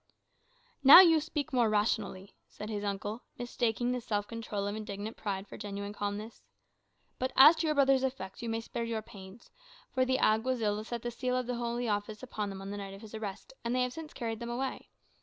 "Now you speak more rationally," said his uncle, mistaking the self control of indignant pride for genuine calmness. "But as to your brother's effects, you may spare your pains; for the Alguazils set the seal of the Holy Office upon them on the night of his arrest, and they have since carried them away.